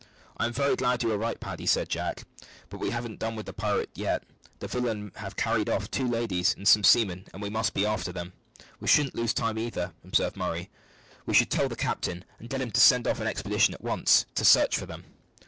"I am very glad you were right, Paddy," said Jack. "But we haven't done with the pirate yet. The villains have carried off two ladies, and some seamen, and we must be after them." "We shouldn't lose time either," observed Murray. "We should tell the captain, and get him to send off an expedition at once to search for them."